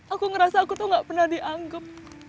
aku ngerasa aku tuh gak pernah dianggap